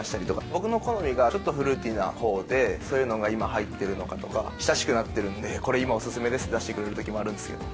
僕の好みがちょっとフルーティーなほうで、そういうのが今、入っているのかとか、親しくなってるので、これ今、お勧めですと出してくれるときもあるんですけれども。